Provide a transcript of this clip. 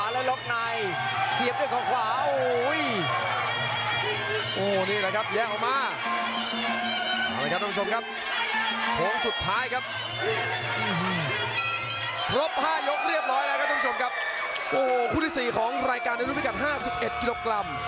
สางไม่ทันครับอ่างของมกสุดท้ายครับหรอไม่ตันครับอ้าวววววววปุ๊ก